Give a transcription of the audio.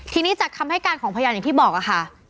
ทีนี้จากคำให้การของพยานอย่างที่บอกค่ะ